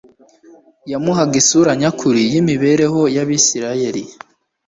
yamuhaga isura nyakuri y'imibereho y'Abisirayeli.